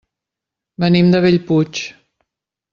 Venim de Bellpuig.